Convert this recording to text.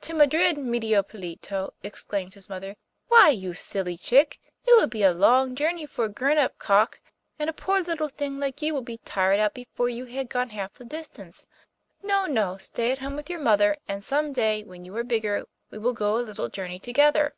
'To Madrid, Medio Pollito!' exclaimed his mother; 'why, you silly chick, it would be a long journey for a grown up cock, and a poor little thing like you would be tired out before you had gone half the distance. No, no, stay at home with your mother, and some day, when you are bigger, we will go a little journey together.